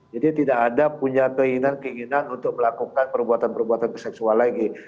jadi tidak ada punya keinginan keinginan untuk melakukan perbuatan perbuatan seksual lagi